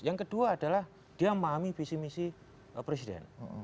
yang kedua adalah dia memahami visi misi presiden